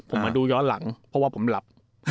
ผมมาดูย้อนหลังเพราะว่าผมหลับ